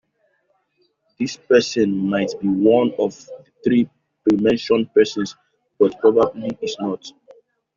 This person might be one of the three prementioned persons, but probably is not.